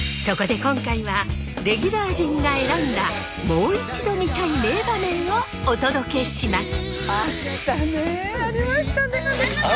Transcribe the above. そこで今回はレギュラー陣が選んだもう一度みたい名場面をお届けします！